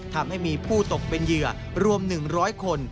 ทำให้มีผู้ตกเป็นเหยื่อรวม๑๐๐คน